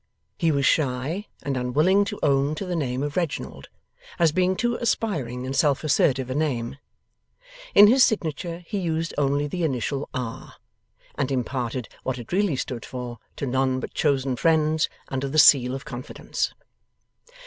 He was shy, and unwilling to own to the name of Reginald, as being too aspiring and self assertive a name. In his signature he used only the initial R., and imparted what it really stood for, to none but chosen friends, under the seal of confidence.